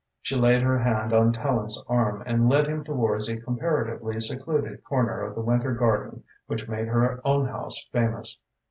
She laid her hand on Tallente's arm and led him towards a comparatively secluded corner of the winter garden which made her own house famous.